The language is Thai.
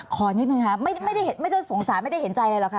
ขอนิดนึงค่ะไม่ได้สงสารไม่ได้เห็นใจอะไรหรอกค่ะ